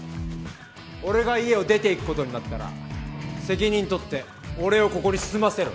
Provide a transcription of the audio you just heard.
俺が家を出ていくことになったら責任取って俺をここに住ませろ。